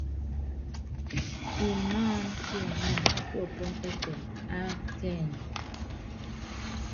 Imáam kiɛmɛ́ɛm ɔ kuɔpɔŋ ɛkuɛm a kɛɛny.